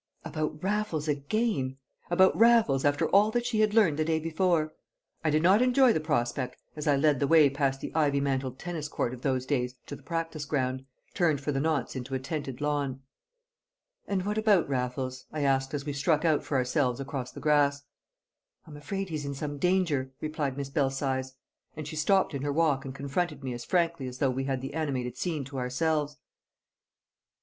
About Raffles again! About Raffles, after all that she had learnt the day before! I did not enjoy the prospect as I led the way past the ivy mantled tennis court of those days to the practice ground, turned for the nonce into a tented lawn. "And what about Raffles?" I asked as we struck out for ourselves across the grass. "I'm afraid he's in some danger," replied Miss Belsize. And she stopped in her walk and confronted me as frankly as though we had the animated scene to ourselves.